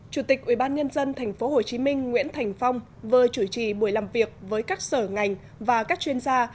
chủ tịch ubnd tp hcm nguyễn thành phong vừa chủ trì buổi làm việc với các sở ngành và các chuyên gia